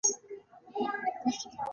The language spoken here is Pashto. ایا ستاسو ویره ختمه نه شوه؟